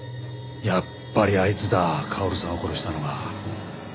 やっぱりあいつだ薫さんを殺したのは。